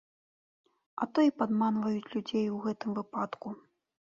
А то і падманваюць людзей ў гэтым выпадку.